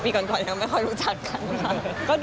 ปีก่อนก่อนยังไม่ค่อยรู้จักกัน